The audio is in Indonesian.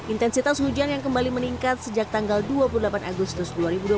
intensitas hujan yang kembali meningkat sejak tanggal dua puluh delapan agustus dua ribu dua puluh